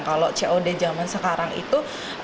kalau cod zaman sekarang itu